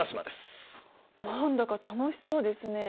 何だか楽しそうですね。